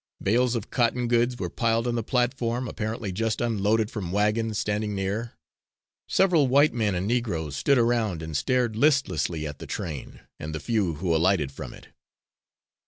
Bales of cotton goods were piled on the platform, apparently just unloaded from wagons standing near. Several white men and Negroes stood around and stared listlessly at the train and the few who alighted from it.